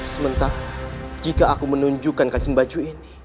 sementara jika aku menunjukkan kacing baju ini